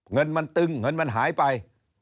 เงินมันตึงเงินมันหายไป